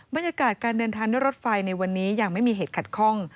บรรยากาศการเดินทางด้วยรถไฟในวันนี้ยังไม่มีเหตุขัดข้อง